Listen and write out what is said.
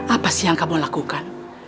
apa sih yang kamu lakukan